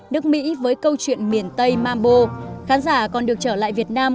nước mỹ với câu chuyện miền tây mambo khán giả còn được trở lại việt nam